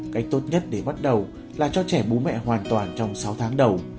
cách tốt nhất để bắt đầu là cho trẻ bố mẹ hoàn toàn trong sáu tháng đầu